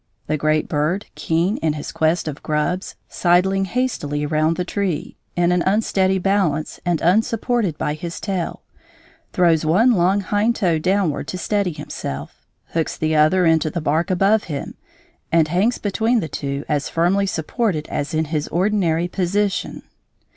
The great bird, keen in his quest of grubs, sidling hastily round the tree, in an unsteady balance and unsupported by his tail, throws one long hind toe downward to steady himself, hooks the other into the bark above him, and hangs between the two as firmly supported as in his ordinary position.